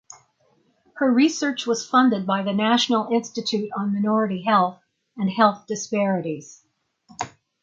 Her research was funded by the National Institute on Minority Health and Health Disparities.